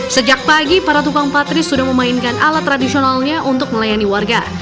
sejak pagi para tukang patri sudah memainkan alat tradisionalnya untuk melayani warga